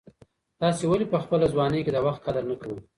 تاسي ولي په خپله ځواني کي د وخت قدر نه کوئ؟